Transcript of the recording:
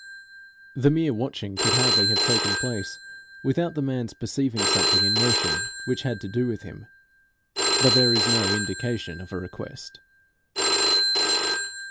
The mere watching could hardly have taken place without the man's perceiving something in motion which had to do with him. But there is no indication of a request.